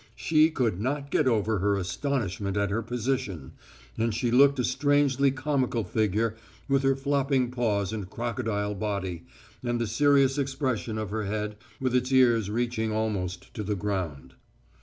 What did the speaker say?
She could not get over her astonishment at her position, and she looked a strangely comical figure with her flopping paws and crocodile body, and the serious expression of her head with its ears reaching almost to the ground.